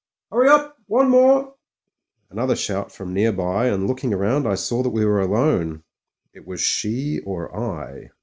"Hurry up! one more." Another shout from near by, and looking round I saw that we were alone. It was she or I.